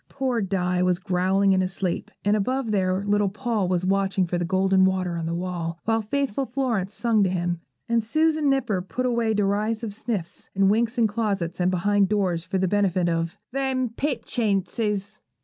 Poor Di was growling in his sleep, and above there little Paul was watching for the golden water on the wall, while faithful Florence sung to him, and Susan Nipper put away derisive sniffs and winks in closets and behind doors for the benefit of 'them Pipchinses.'